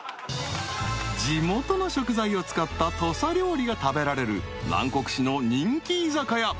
［地元の食材を使った土佐料理が食べられる南国市の人気居酒屋］